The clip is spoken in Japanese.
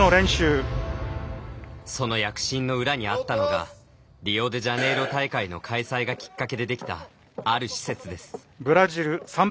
その躍進の裏にあったのがリオデジャネイロ大会の開催がきっかけでできたある施設です。